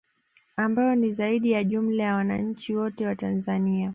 Ambayo ni zaidi ya jumla ya wananchi wote wa Tanzania